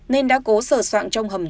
nên đã cố sở soạn trong hầm tối